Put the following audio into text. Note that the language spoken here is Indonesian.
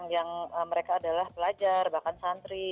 yang mereka adalah pelajar bahkan santri